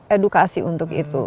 edukasi untuk itu